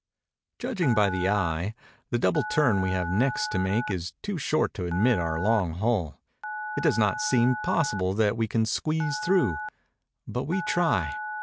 Judging by the eye, the double turn we have next to make is too short to admit our long hull. It does not seem possible that we can squeeze through ; but we try.